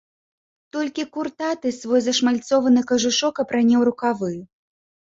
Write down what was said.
Толькі куртаты свой зашмальцованы кажушок апране ў рукавы.